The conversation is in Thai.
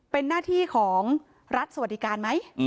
เป็นหน้าที่ของรัฐสวัสดิการไหม